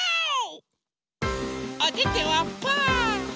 おててはパー。